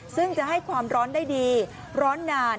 ซึ่งจะให้ความร้อนได้ดีร้อนนาน